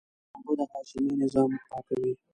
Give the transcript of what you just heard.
اوبه د هاضمې نظام پاکوي